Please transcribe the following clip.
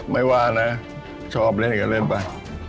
ไม่ว่านะชอบเล่นก็เล่นไป